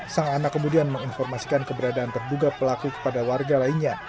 sang anak kemudian menginformasikan keberadaan terduga pelaku kepada warga lainnya